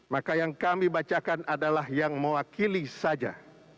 maka yang kami bacakan adalah yang mewakili saja